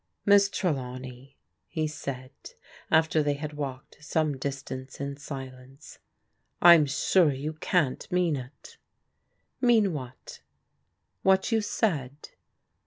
Miss Trelawney," he said, after they had walked some distance in silence^ " I'm sure you can't mean it.' "Mean what?" What you said.'